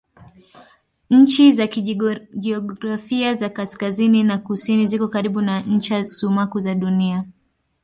Ncha za kijiografia za kaskazini na kusini ziko karibu na ncha sumaku za Dunia.